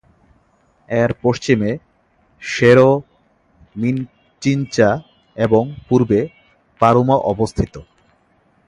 এর পশ্চিমে সেরো মিনচিনচা এবং পূর্বে পারুমা অবস্থিত।